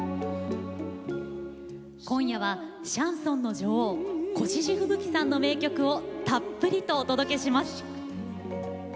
今夜はシャンソンの女王越路吹雪さんの名曲をたっぷりとお届けします。